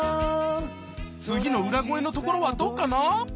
次の裏声のところはどうかな？